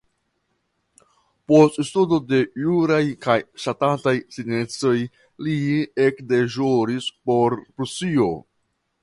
Post studo de juraj kaj ŝtataj sciencoj li ekdeĵoris por Prusio.